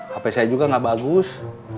hp saya juga nggak bagus